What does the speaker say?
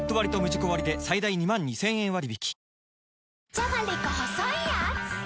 じゃがりこ細いやーつ